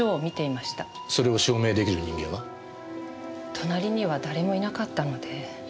隣には誰もいなかったので。